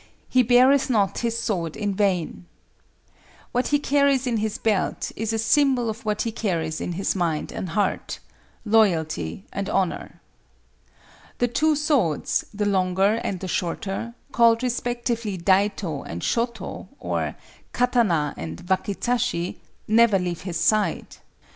"He beareth not his sword in vain." What he carries in his belt is a symbol of what he carries in his mind and heart—Loyalty and Honor. The two swords, the longer and the shorter—called respectively daito and shoto or katana and wakizashi—never leave his side.